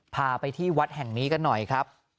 พาไปที่วัดแห่งนี้กันหน่อยครับ